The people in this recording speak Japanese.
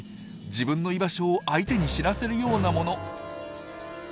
自分の居場所を相手に知らせるようなもの。